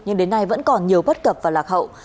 nhưng đến nay vẫn còn nhiều bất cập và lạc hậu